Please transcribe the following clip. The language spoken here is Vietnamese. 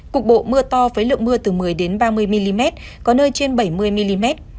cục bộ mưa to với lượng mưa từ một mươi ba mươi mm có nơi trên bảy mươi mm